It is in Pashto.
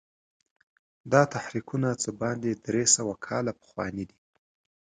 دا تحریکونه څه باندې درې سوه کاله پخواني دي.